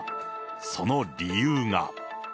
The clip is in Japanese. その理由が。